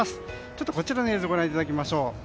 ちょっとこちらの映像をご覧いただきましょう。